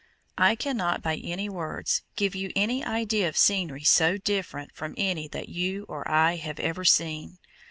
I cannot by any words give you an idea of scenery so different from any that you or I have ever seen.